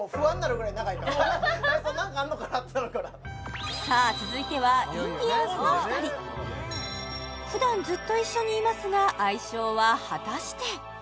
何かあんのかなってなるからさあ続いてはインディアンスの２人普段ずっと一緒にいますが相性は果たして！？